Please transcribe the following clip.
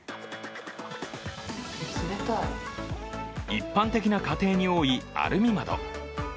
一般的な家庭に多いアルミ窓。